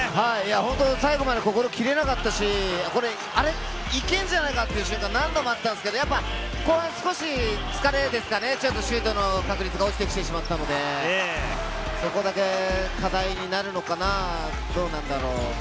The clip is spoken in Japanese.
本当に最後まで心切れなかったし、あれ、いけんじゃないかって瞬間、何度もあったんですけれども、やっぱ少し疲れですかね、シュートの確率が落ちてきてしまったので、そこだけ課題になるのかな、どうなんだろう？